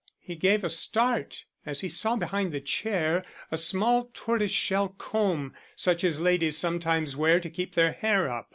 He gave a start as he saw behind the chair a small tortoiseshell comb such as ladies sometimes wear to keep their hair up.